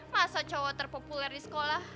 masa cowok terpopuler di sekolah